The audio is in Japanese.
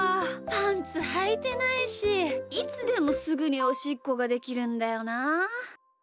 パンツはいてないしいつでもすぐにおしっこができるんだよなあ。